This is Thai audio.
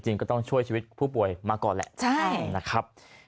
จริงก็ต้องช่วยชีวิตผู้ป่วยมาก่อนแหละ